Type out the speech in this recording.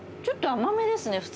ちょっと甘めですね。